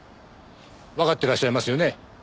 わかってらっしゃいますよね？